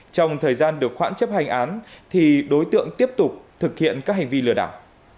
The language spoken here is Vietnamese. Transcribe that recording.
trong thời gian được khoản chấp hành án thì đối tượng tiếp tục thực hiện các hành vi lừa đảo